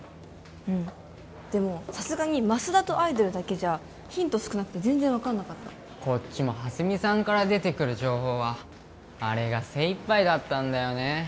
うんでもさすがにマスダとアイドルだけじゃヒント少なくて全然分かんなかったこっちも蓮見さんから出てくる情報はあれが精いっぱいだったんだよね